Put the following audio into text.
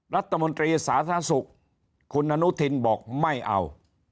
รัฐมนตรีสาธารณสุขคุณอนุทินบอกไม่เอา